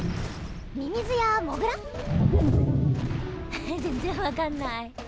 ははっ全然分かんない。